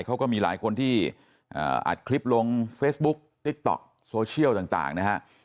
เขาก็มีหลายคนที่อัดคลิปลงเฟซบุ๊กติ๊กต๊อกโซเชียลต่างนะฮะ